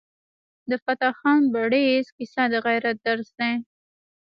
د فتح خان بړیڅ کیسه د غیرت درس دی.